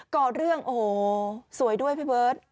ก่อเรื่องโอ้โหสวยด้วยพี่เบิร์ต